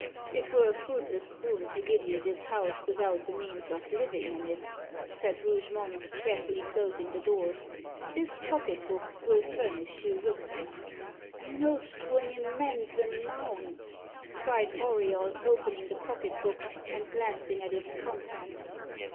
"It were a fruitless boon to give you this house without the means of living in it," said Rougemont, carefully closing the door. "This pocket book will furnish you with them." [Illustration: The Compact.] "Notes to an immense amount!" cried Auriol, opening the pocket book, and glancing at its contents.